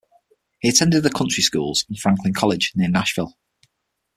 He attended the country schools and Franklin College, near Nashville.